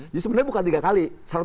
jadi sebenarnya bukan tiga kali